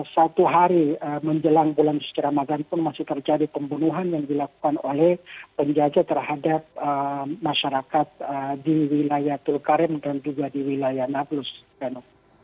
satu hari menjelang bulan suci ramadan pun masih terjadi pembunuhan yang dilakukan oleh penjajah terhadap masyarakat di wilayah tulkarem dan juga di wilayah nablus